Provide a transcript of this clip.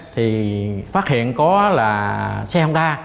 thì phát hiện có là xe hông ra